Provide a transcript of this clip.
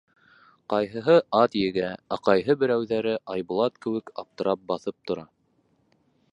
Ҡайһыһы ат егә, ә ҡайһы берәүҙәре, Айбулат кеүек, аптырап баҫып тора.